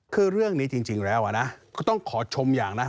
คือเรื่องนี้จริงแล้วนะก็ต้องขอชมอย่างนะ